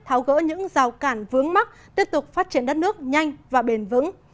tháo gỡ những rào cản vướng mắt tiếp tục phát triển đất nước nhanh và bền vững